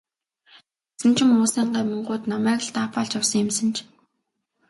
Тэгсэн чинь муусайн гамингууд намайг л даапаалж явсан юм санж.